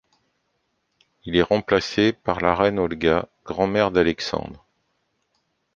Il est remplacé par la reine Olga, grand-mère d'Alexandre.